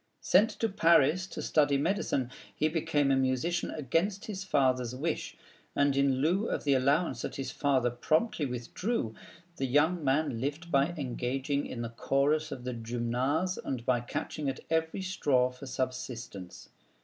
Sent to Paris to study medicine, he became a musician against his father's wish, and in lieu of the allowance that his father promptly withdrew, the young man lived by engaging in the chorus of the Gymnase, and by catching at every straw for subsistence.